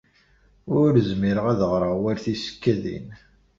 Ur zmireɣ ad ɣreɣ war tisekkadin.